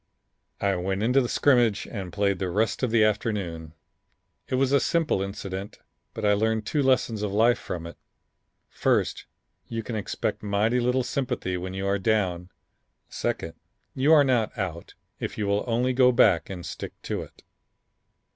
I went into the scrimmage and played the rest of the afternoon. It was a simple incident, but I learned two lessons of life from it: first, you can expect mighty little sympathy when you are down; second, you are not out if you will only go back and stick to it."